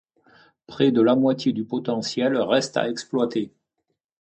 Près de la moitié du potentiel reste à exploiter.